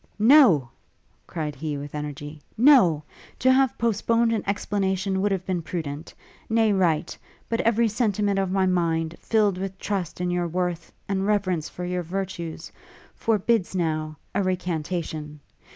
'No!' cried he with energy, 'no! To have postponed an explanation would have been prudent, nay right: but every sentiment of my mind, filled with trust in your worth, and reverence for your virtues, forbids now, a recantation!